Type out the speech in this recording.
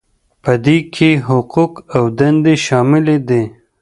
په دې کې حقوق او دندې شاملې دي.